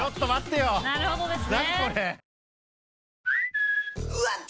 なるほどですね。